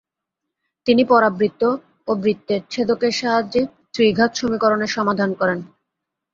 তিনি পরাবৃত্ত ও বৃত্তের ছেদকের সাহায্যে ত্রিঘাত সমীকরণের সমাধান করেন।